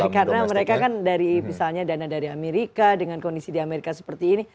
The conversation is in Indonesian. karena mereka kan dari misalnya dana dari amerika dengan kondisi di amerika seperti ini